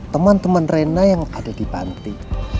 teman teman rena yang ada di panti